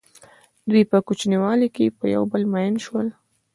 دوی په کوچنیوالي کې په یو بل مئین شول.